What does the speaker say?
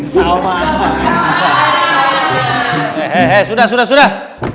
sudah sudah sudah